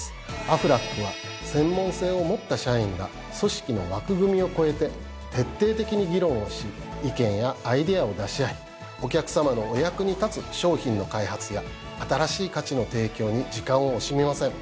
アフラックは専門性を持った社員が組織の枠組みを超えて徹底的に議論をし意見やアイデアを出し合いお客さまのお役に立つ商品の開発や新しい価値の提供に時間を惜しみません。